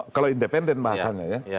kalau independen bahasanya ya